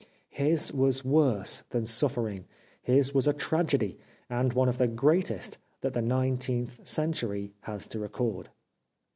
His was worse than suffering ; his was a tragedy, and one of the greatest that the nineteenth cen tury has to record.